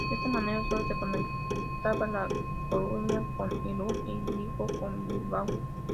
De esta manera solo se conectaba La Coruña con Irún, y Vigo con Bilbao.